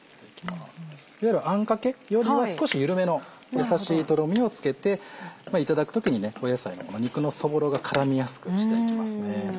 いわゆるあんかけよりは少し緩めの優しいとろみをつけていただく時に野菜に肉のそぼろが絡みやすくしていきますね。